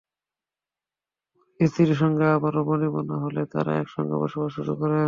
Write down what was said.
পরে স্ত্রীর সঙ্গে আবারও বনিবনা হলে তাঁরা একসঙ্গে বসবাস শুরু করেন।